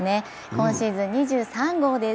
今シーズン２３号です。